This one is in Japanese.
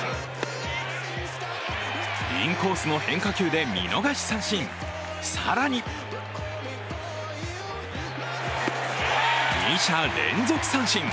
インコースの変化球で見逃し三振、更に２者連続三振！